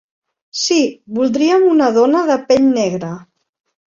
Sí, voldríem una dona de pell negra.